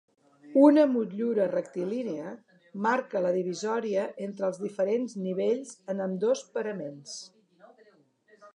Una motllura rectilínia marca la divisòria entre els diferents nivells, en ambdós paraments.